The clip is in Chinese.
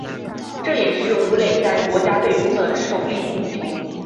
这也是武磊在国家队中的首粒进球。